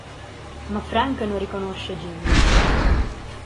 Ma Frank non riconosce Jimmy.